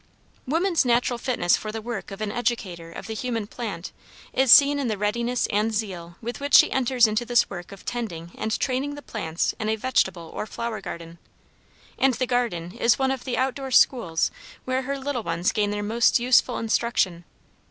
Woman's natural fitness for the work of an educator of the human plant is seen in the readiness and zeal with which she enters into this work of tending and training the plants in a vegetable or flower garden, and the garden is one of the outdoor schools where her little ones gain their most useful instruction.